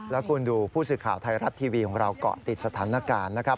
แล้วคุณดูผู้สื่อข่าวไทยรัฐทีวีของเราเกาะติดสถานการณ์นะครับ